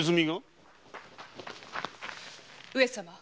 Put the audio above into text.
上様。